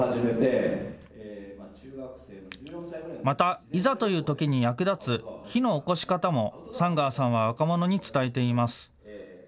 また、いざというときに役立つ火のおこし方も寒川さんは若者に伝えています。